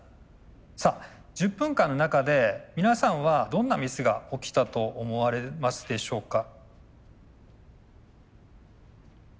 さあ１０分間の中で皆さんはどんなミスが起きたと思われますでしょうか？